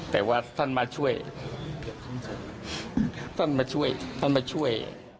แต่ว่าท่านมาช่วยท่านมาช่วยท่านมาช่วย